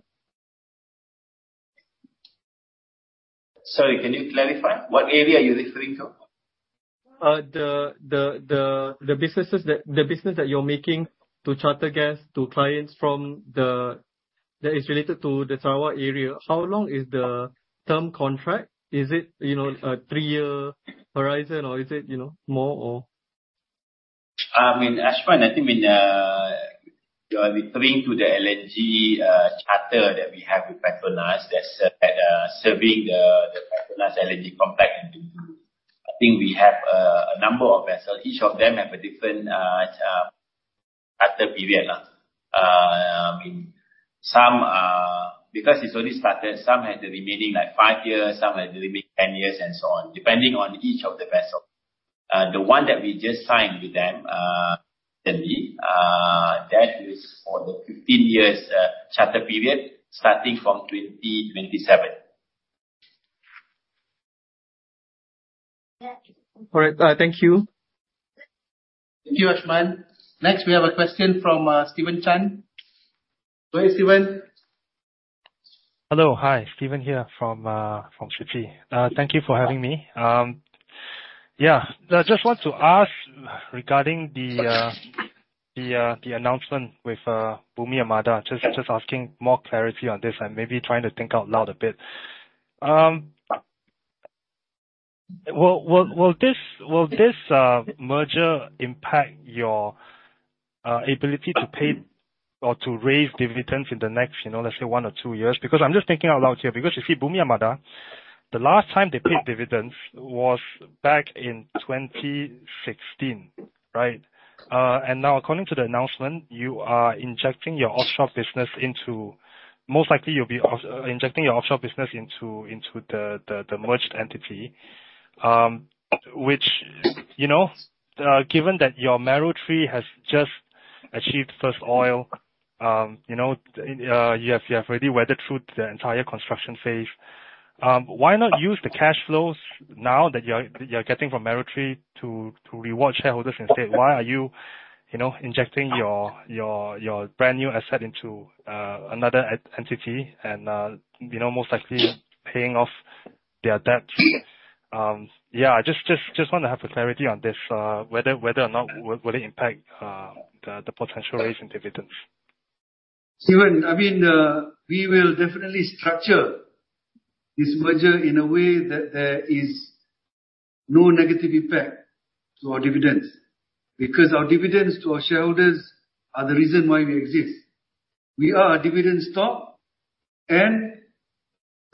Sorry, can you clarify what area you're referring to? The business that you're making to charter gas to clients that is related to the Sarawak area. How long is the term contract? Is it a three-year horizon or is it more or? Ashman, I think you're referring to the LNG charter that we have with PETRONAS that's serving the PETRONAS LNG contract in Bintulu. I think we have a number of vessels. Each of them have a different charter period. Because it's only started, some have the remaining five years, some have the remaining 10 years, and so on, depending on each of the vessels. The one that we just signed with them recently, that is for the 15 years charter period starting from 2027. All right. Thank you. Thank you, Ashman. Next, we have a question from Steven Chan. Go ahead, Steven. Hello. Hi. Steven here from Citi. Thank you for having me. Yeah. I just want to ask regarding the announcement with Bumi Armada, just asking more clarity on this and maybe trying to think out loud a bit. Will this merger impact your ability to pay or to raise dividends in the next, let's say, one or two years? I'm just thinking out loud here, because you see, Bumi Armada, the last time they paid dividends was back in 2016, right? Now, according to the announcement, most likely you'll be injecting your offshore business into the merged entity. Given that your FPSO Marechal Duque de Caxias has just achieved first oil, you have already weathered through the entire construction phase. Why not use the cash flows now that you're getting from FPSO Marechal Duque de Caxias to reward shareholders instead? Why are you injecting your brand-new asset into another entity and most likely paying off their debts? Yeah, I just want to have clarity on this, whether or not will it impact the potential raise in dividends? Steven, we will definitely structure this merger in a way that there is no negative impact to our dividends. Our dividends to our shareholders are the reason why we exist. We are a dividend stock, and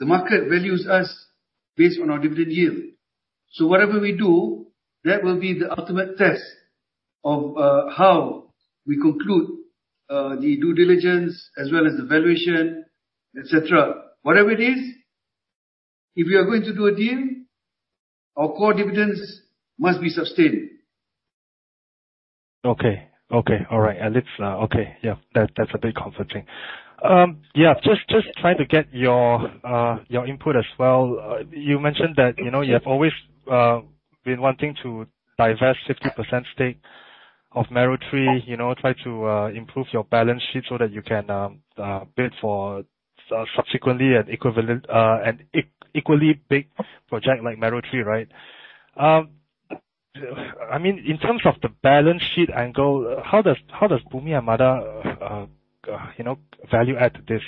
the market values us based on our dividend yield. Whatever we do, that will be the ultimate test of how we conclude the due diligence as well as the valuation, et cetera. Whatever it is, if we are going to do a deal, our core dividends must be sustained. Okay. All right. That's a bit comforting. Just trying to get your input as well. You mentioned that you have always been wanting to divest 50% stake of Mero 3, try to improve your balance sheet so that you can bid for subsequently an equally big project like Mero 3, right? In terms of the balance sheet angle, how does Bumi Armada value add to this?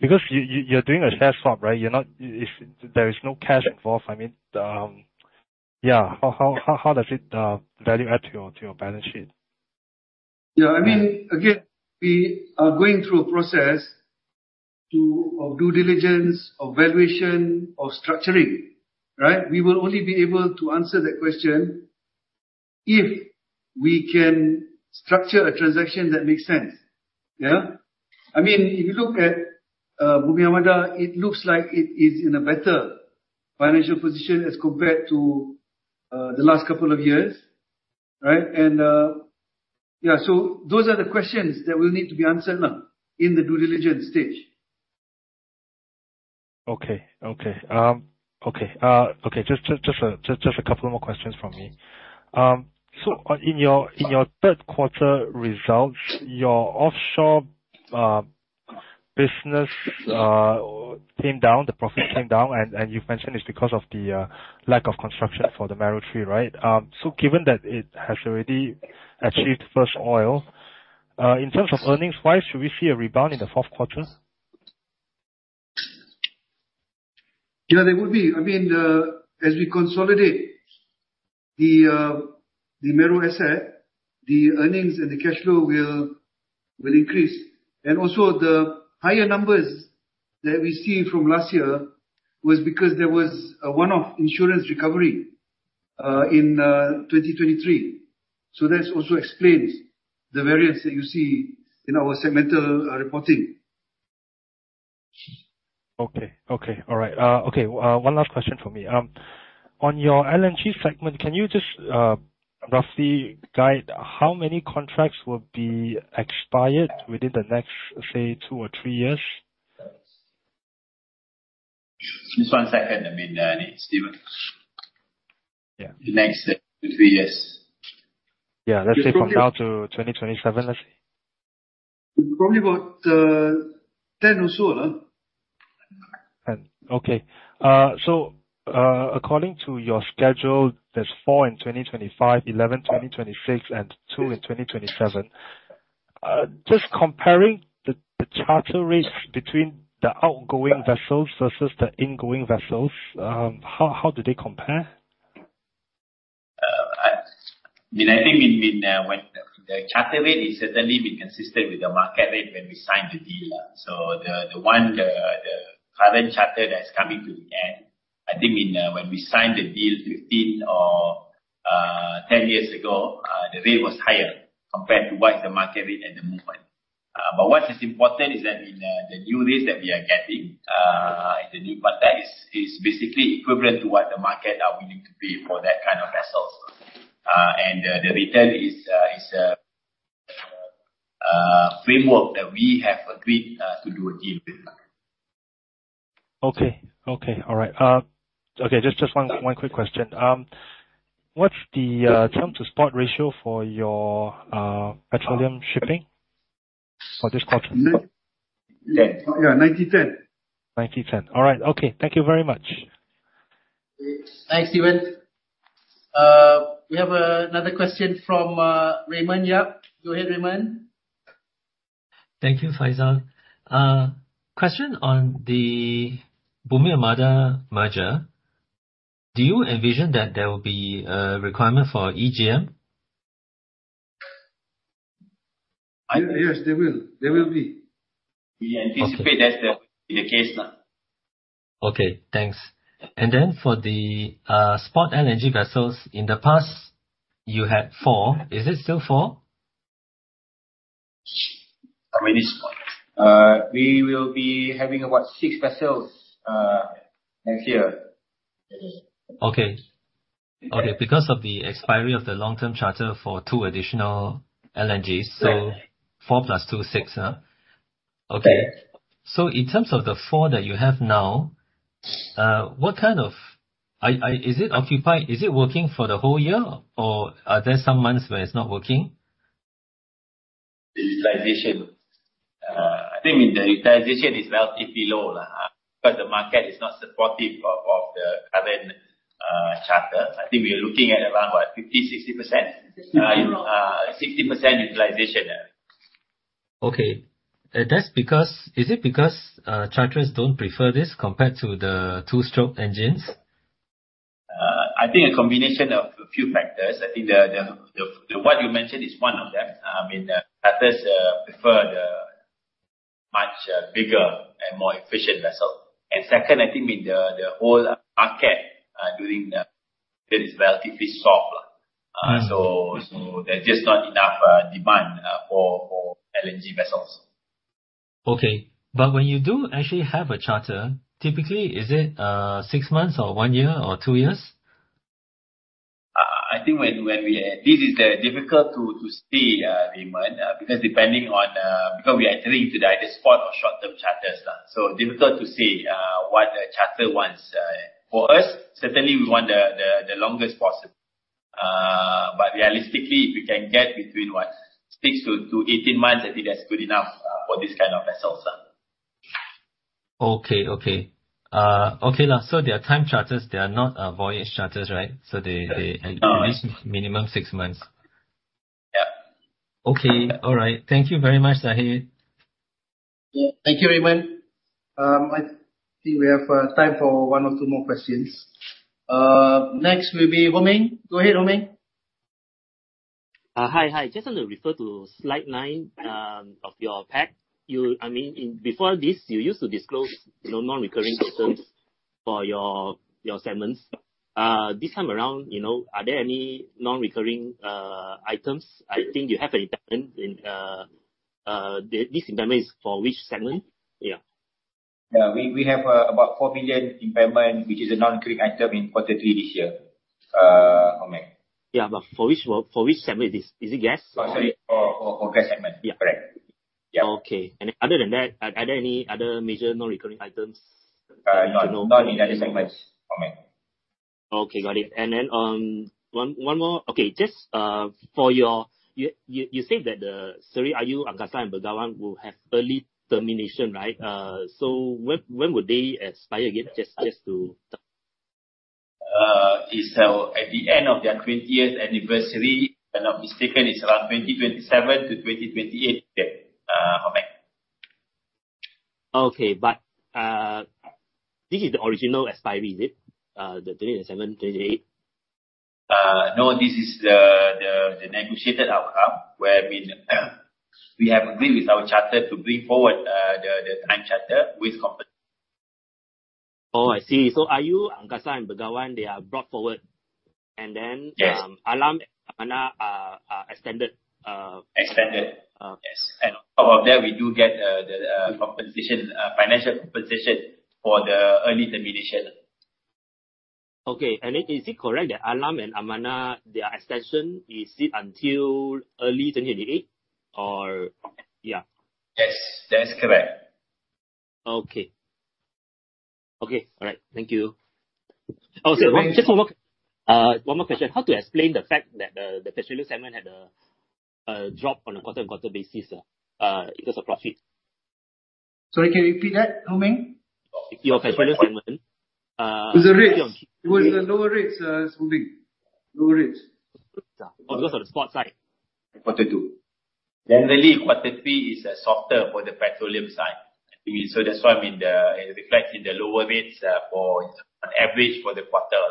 Because you're doing a share swap, right? There is no cash involved. How does it value add to your balance sheet? Again, we are going through a process of due diligence, of valuation, of structuring, right? We will only be able to answer that question if we can structure a transaction that makes sense. Yeah. If you look at Bumi Armada, it looks like it is in a better financial position as compared to the last couple of years. Right? Those are the questions that will need to be answered in the due diligence stage. Okay. Just a couple more questions from me. In your third quarter results, your offshore business came down, the profit came down, and you've mentioned it's because of the lack of construction for the Mero 3, right? Given that it has already achieved first oil, in terms of earnings, why should we see a rebound in the fourth quarter? Yeah, there will be. As we consolidate the Mero asset, the earnings and the cash flow will increase. The higher numbers that we see from last year was because there was a one-off insurance recovery in 2023. That also explains the variance that you see in our segmental reporting. Okay. All right. One last question from me. On your LNG segment, can you just roughly guide how many contracts will be expired within the next, say, two or three years? Just one second, Steven. Yeah. The next two, three years. Yeah. Let's say from now to 2027. It's probably about 10 or so. Okay. According to your schedule, there's four in 2025, 11, 2026, and two in 2027. Just comparing the charter rates between the outgoing vessels versus the ingoing vessels, how do they compare? I think the charter rate is certainly consistent with the market rate when we signed the deal. The current charter that's coming to an end, I think when we signed the deal 15 or 10 years ago, the rate was higher compared to what is the market rate at the moment. What is important is that the new rates that we are getting in the new contract is basically equivalent to what the market are willing to pay for that kind of vessels. The rate is a framework that we have agreed to do a deal with. Okay. All right. Just one quick question. What's the term to spot ratio for your petroleum shipping for this quarter? Yeah, 90/10. 90/10. All right. Okay. Thank you very much. Thanks, Steven. We have another question from Raymond Yap. Go ahead, Raymond. Thank you, Faisal. Question on the Bumi Armada merger. Do you envision that there will be a requirement for EGM? Yes, there will be. We anticipate that's the case. Okay, thanks. Then for the spot LNG vessels, in the past you had four. Is it still four? How many spot? We will be having about six vessels next year. Because of the expiry of the long-term charter for two additional LNGs. Four plus two is six. Yes. In terms of the four that you have now, is it occupied? Is it working for the whole year, or are there some months where it's not working? Utilization I think the utilization is relatively low because the market is not supportive of the current charter. I think we are looking at around 50%-60% utilization. Is it because charters don't prefer this compared to the two-stroke engines? I think a combination of a few factors. I think what you mentioned is one of them. Charters prefer the much bigger and more efficient vessel. Second, I think the whole market during the period is relatively soft. There's just not enough demand for LNG vessels. Okay. When you do actually have a charter, typically is it six months or one year or two years? This is difficult to say, Raymond, because we are entering into either spot or short-term charters. Difficult to say what the charter wants. For us, certainly we want the longest possible. Realistically, if we can get between what, six to 18 months, I think that's good enough for this kind of vessels. Okay. They are time charters, they are not voyage charters, right? No at least minimum six months. Yeah. Okay. All right. Thank you very much, Zahid. Thank you, Raymond. I think we have time for one or two more questions. Next will be Ho Meng. Go ahead, Ho Meng. Hi. Just want to refer to slide nine of your pack. Before this, you used to disclose non-recurring items for your segments. This time around, are there any non-recurring items? I think you have an impairment. This impairment is for which segment? Yeah. Yeah, we have about 4 million impairment, which is a non-recurring item in quarter three this year. Ho Meng. Yeah. For which segment is this? Is it gas? Sorry. For gas segment. Yeah. Correct. Yeah. Okay. Other than that, are there any other major non-recurring items? Not in any other segments, Ho Meng. Okay, got it. One more. You said that the Seri Ayu, Angkasa, and Begawan will have early termination, right? When would they expire again? It's at the end of their 20th anniversary. If I'm not mistaken, it's around 2027 to 2028. Ho Meng. Okay. This is the original expiry, is it? 2027, 2028. No, this is the negotiated outcome, where we have agreed with our charter to bring forward the time charter with company. Oh, I see. Seri Ayu, Seri Angkasa, and Seri Begawan, they are brought forward. Yes Alam and Amana are extended. Extended. Okay. Yes. On top of that, we do get the financial compensation for the early termination. Okay. Is it correct that Alam and Amana, their extension, is it until early 2028 or yeah? Yes, that is correct. Okay. All right. Thank you. Sir, just one more question. How to explain the fact that the petroleum segment had a drop on a quarter-on-quarter basis in terms of profit? Sorry, can you repeat that, Ho Meng? Your petroleum segment. It was the rates. It was the lower rates moving. Lower rates. Of the spot side. Quarter two. Generally, quarter three is softer for the petroleum side. That's why it reflects in the lower rates for an average for the quarter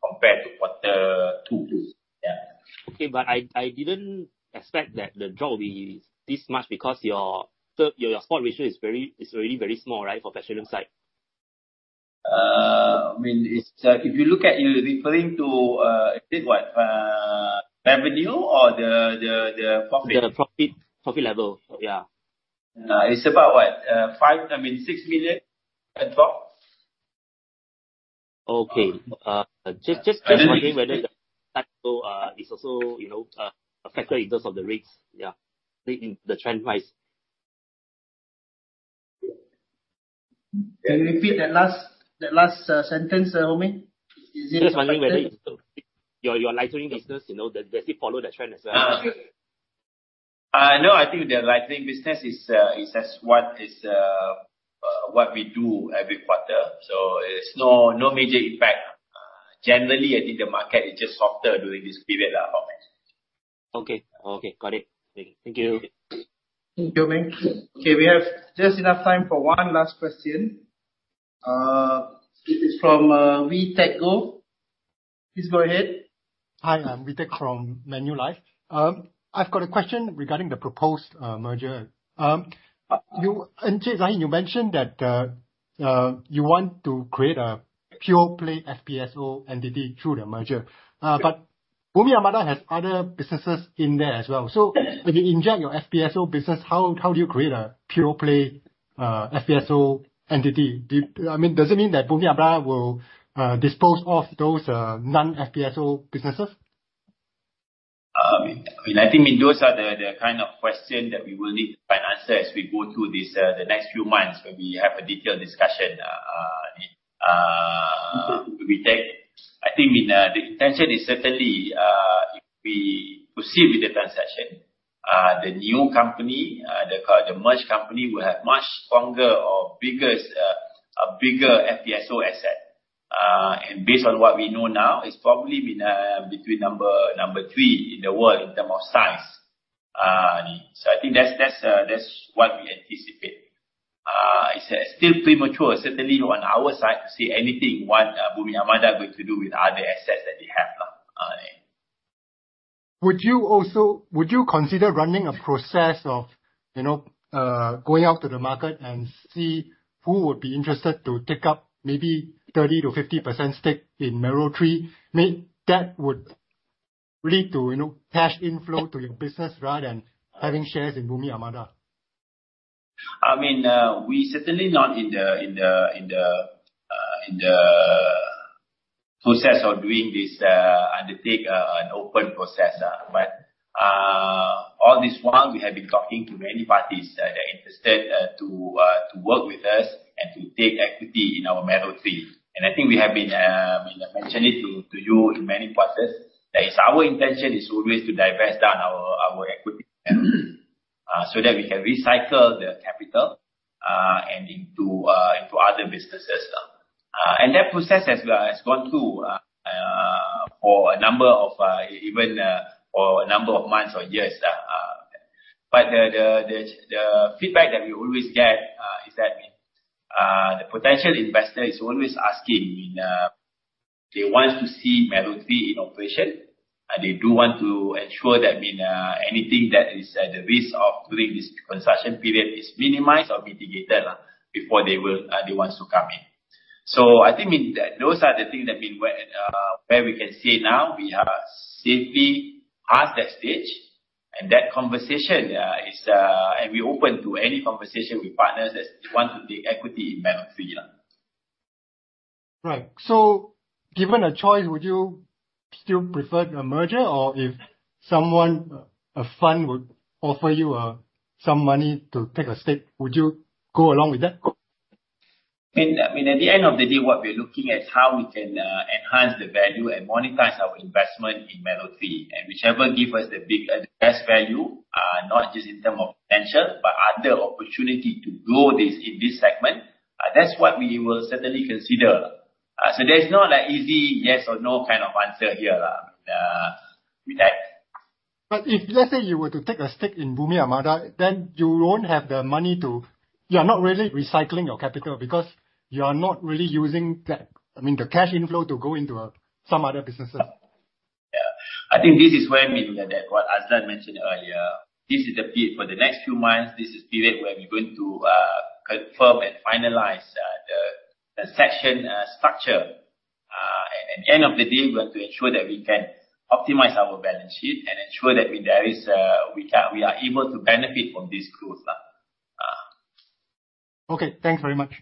compared to quarter two. Yeah. Okay. I didn't expect that the drop will be this much because your spot ratio is really very small, right, for petroleum side. If you look at you referring to, is it what, revenue or the profit? The profit level. Yeah. It's about what? MYR 6 million drop. Okay. Just wondering whether the FPSO is also affected in terms of the rates. Yeah. The trend-wise. Can you repeat that last sentence, Ho Meng? Just wondering whether your lightering business, does it follow the trend as well? I think the lightering business is what we do every quarter. There's no major impact. Generally, I think the market is just softer during this period. Ho Meng. Okay. Got it. Thank you. Thank you, Ho Meng. Okay, we have just enough time for one last question. It is from Wee Tek Go. Please go ahead. Hi, I'm Wee Tek from Manulife. I've got a question regarding the proposed merger. Encik Zahid, you mentioned that you want to create a pure-play FPSO entity through the merger. Bumi Armada has other businesses in there as well. If you inject your FPSO business, how do you create a pure-play FPSO entity? Does it mean that Bumi Armada will dispose of those non-FPSO businesses? I think those are the kind of questions that we will need to find answers as we go through the next few months when we have a detailed discussion. I think the intention is certainly, if we proceed with the transaction, the new company, the merged company, will have much stronger or a bigger FPSO asset. Based on what we know now, it's probably been between number 3 in the world in terms of size. I think that's what we anticipate. It's still premature, certainly on our side, to say anything what Bumi Armada going to do with other assets that they have. Would you consider running a process of going out to the market and see who would be interested to take up maybe 30%-50% stake in Mero 3? Maybe that would lead to cash inflow to your business rather than having shares in Bumi Armada. We're certainly not in the process of doing this, undertake an open process. All this while, we have been talking to many parties that are interested to work with us and to take equity in our Mero 3. I think we have been mentioning it to you in many processes, that our intention is always to divest down our equity, so that we can recycle the capital into other businesses. That process has gone through for a number of months or years. The feedback that we always get is that the potential investor is always asking, they want to see Mero 3 in operation. They do want to ensure that anything that is at the risk of during this construction period is minimized or mitigated before they want to come in. I think those are the things that where we can say now we are safely past that stage, and we're open to any conversation with partners that want to take equity in Mero 3. Right. Given a choice, would you still prefer the merger? If a fund would offer you some money to take a stake, would you go along with that? At the end of the day, what we're looking at is how we can enhance the value and monetize our investment in Mero 3. Whichever give us the best value, not just in terms of potential, but other opportunity to grow in this segment, that's what we will certainly consider. There's no easy yes or no kind of answer here with that. If let's say you were to take a stake in Bumi Armada, then you are not really recycling your capital because you are not really using the cash inflow to go into some other businesses. Yeah. I think this is where what Razlan mentioned earlier. For the next few months, this is the period where we're going to confirm and finalize the transaction structure. At the end of the day, we want to ensure that we can optimize our balance sheet and ensure that we are able to benefit from this growth. Okay. Thanks very much.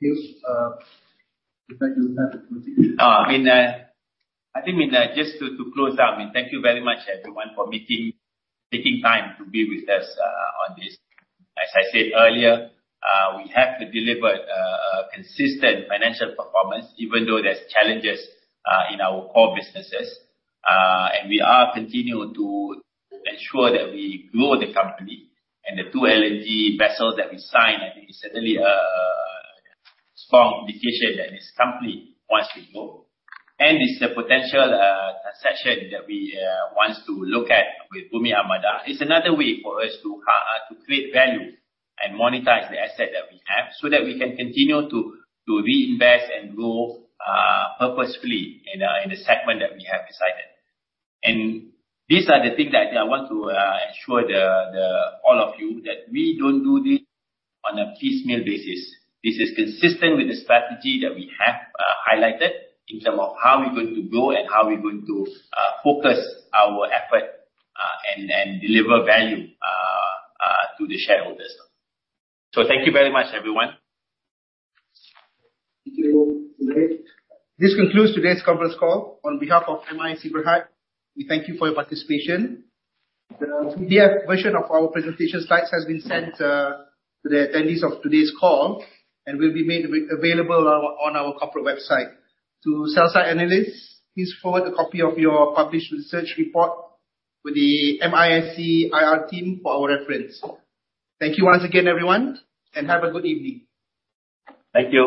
Thank you. Back to you, Tan Sri. I think just to close out. Thank you very much, everyone, for taking time to be with us on this. As I said earlier, we have delivered a consistent financial performance, even though there's challenges in our core businesses. We are continuing to ensure that we grow the company. The two LNG vessels that we signed, I think is certainly a strong indication that this company wants to grow. It's a potential transaction that we want to look at with Bumi Armada. It's another way for us to create value and monetize the asset that we have so that we can continue to reinvest and grow purposefully in the segment that we have decided. These are the things that I want to assure all of you, that we don't do this on a piecemeal basis. This is consistent with the strategy that we have highlighted in terms of how we're going to grow and how we're going to focus our effort and deliver value to the shareholders. Thank you very much, everyone. Thank you. This concludes today's conference call. On behalf of MISC Berhad, we thank you for your participation. The PDF version of our presentation slides has been sent to the attendees of today's call and will be made available on our corporate website. To sell-side analysts, please forward a copy of your published research report with the MISC IR team for our reference. Thank you once again, everyone, and have a good evening. Thank you